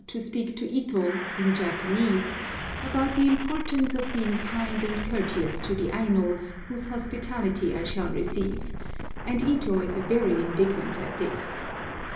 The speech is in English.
to speak to Ito in Japanese about the importance of being kind and courteous to the Ainos whose hospitality I shall receive; and Ito is very indignant at this.